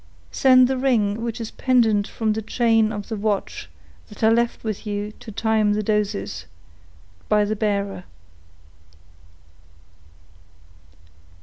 Send the ring, which is pendent from the chain of the watch, that I left with you to time the doses, by the bearer.